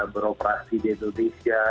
beroperasi di indonesia